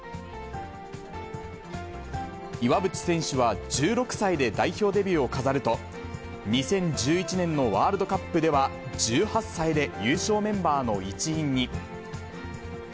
岩渕選手は１６歳で代表デビューを飾ると、２０１１年のワールドカップでは、１８歳で優勝メンバーの一員に。